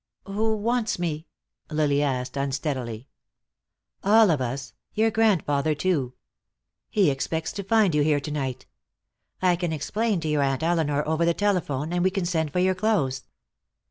"Who wants me?" Lily asked, unsteadily. "All of us. Your grandfather, too. He expects to find you here to night. I can explain to your Aunt Elinor over the telephone, and we can send for your clothes."